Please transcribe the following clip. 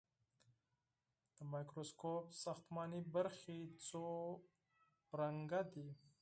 د مایکروسکوپ ساختماني برخې څو ډوله دي.